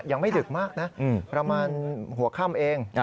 ยังไม่ดึกมากนะประมาณหัวค่ำเอง